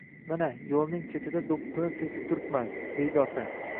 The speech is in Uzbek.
"Mana, yo‘lning chetida do‘ppimni silkib turibman" deydi Ota.